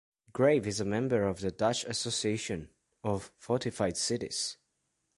Grave is a member of the Dutch Association of Fortified Cities.